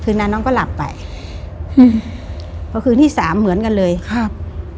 คืนนั้นน้องก็หลับไปเพราะคือที่สามเหมือนกันเลยครับ